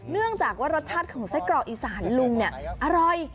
เนื่องจากว่ารสชาติของไส้กรอกอีสานลุงเนี่ยอร่อย